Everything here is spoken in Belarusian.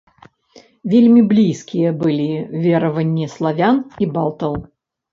Вельмі блізкія былі вераванні славян і балтаў.